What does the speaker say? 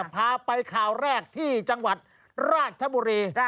พาไปข่าวแรกที่จังหวัดราชบุรี